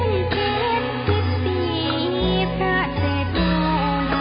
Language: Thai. ทรงเป็นน้ำของเรา